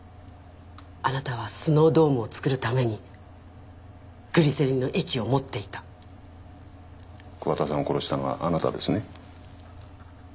あなたはスノードームを作るためにグリセリンの液を持っていた桑田さんを殺したのはあなたですね？